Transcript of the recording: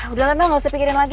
udah lah mel gak usah pikirin lagi